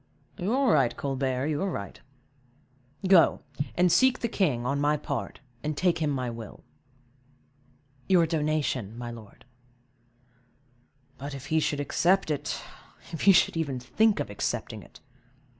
"You are right, Colbert, you are right; go, and seek the king, on my part, and take him my will." "Your donation, my lord." "But, if he should accept it; if he should even think of accepting it!"